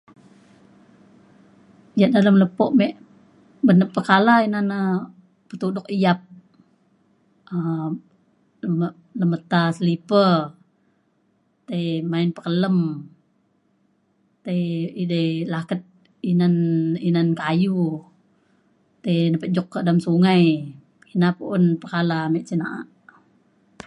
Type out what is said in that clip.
ia’ dalem lepo me ben na pekala ina na petudok yap um me- le meta slipper tei main pekelem tei edei laket inan inan kayu tei na pe juk ka dalem sungai ina pu’un pekala ame cin na’a